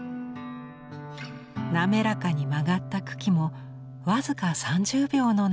なめらかに曲がった茎も僅か３０秒のなせるワザ。